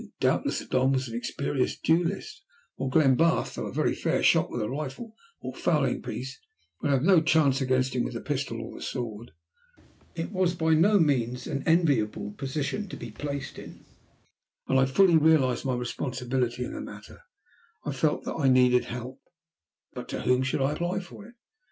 Doubtless the Don was an experienced duellist, while Glenbarth, though a very fair shot with a rifle or fowling piece, would have no chance against him with the pistol or the sword. It was by no means an enviable position for a man to be placed in, and I fully realized my responsibility in the matter. I felt that I needed help, but to whom should I apply for it?